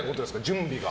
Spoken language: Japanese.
準備が。